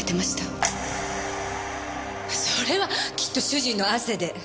それはきっと主人の汗で。